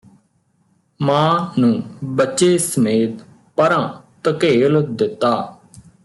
ਮਾਂ ਨੂੰ ਬੱਚੇ ਸਮੇਤ ਪਰ੍ਹਾਂ ਧਕੇਲ ਦਿੱਤਾ